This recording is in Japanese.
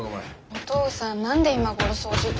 お父さん何で今頃掃除機？